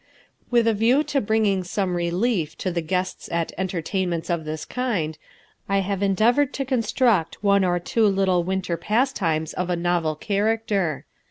With a view to bringing some relief to the guests at entertainments of this kind, I have endeavoured to construct one or two little winter pastimes of a novel character.